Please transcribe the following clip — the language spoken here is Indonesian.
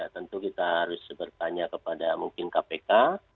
tentu kita harus bertanya kepada mungkin kpk